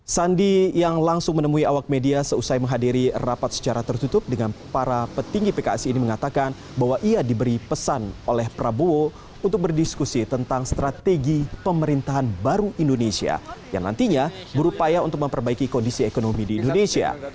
sandi yang langsung menemui awak media seusai menghadiri rapat secara tertutup dengan para petinggi pks ini mengatakan bahwa ia diberi pesan oleh prabowo untuk berdiskusi tentang strategi pemerintahan baru indonesia yang nantinya berupaya untuk memperbaiki kondisi ekonomi di indonesia